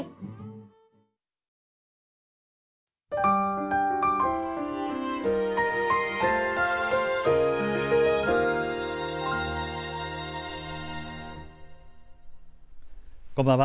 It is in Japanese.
こんばんは。